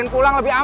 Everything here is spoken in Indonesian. ini apaan ini ya